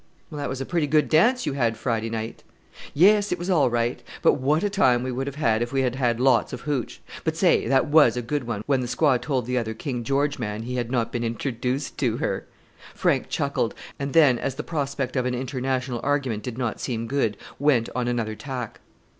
"That was a pretty good dance you had Friday night." "Yes, it was all right; but what a time we would have had if we had had lots of hootch! But say! that was a good one when the squaw told the other 'King George man' he had not been introduced to her!" Frank chuckled; and then, as the prospect of an international argument did not seem good, went on another tack.